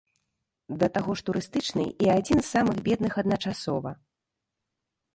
Да таго ж турыстычны і адзін з самых бедных адначасова.